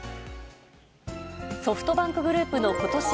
ソフトバンクグループのことし